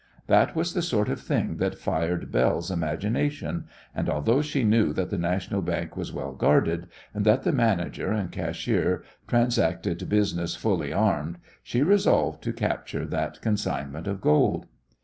That was the sort of thing that fired Belle's imagination, and although she knew that the National Bank was well guarded, and that the manager and cashier transacted business fully armed, she resolved to capture that consignment of gold.